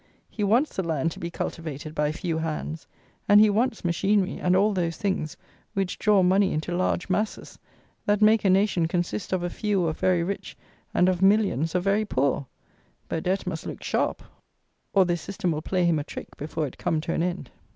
He wants the land to be cultivated by few hands, and he wants machinery, and all those things, which draw money into large masses; that make a nation consist of a few of very rich and of millions of very poor! Burdett must look sharp; or this system will play him a trick before it come to an end.